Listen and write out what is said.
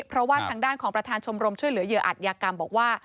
เพราะว่าทางด้านของประธานชมรมช่วยเหลือเหยื่ออัตยากรรมบอกว่า